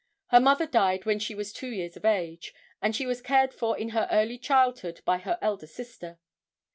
Her mother died when she was two years of age, and she was cared for in her early childhood by her elder sister.